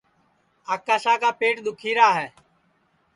آکاشا کا پیٹ دُؔکھیرا ہے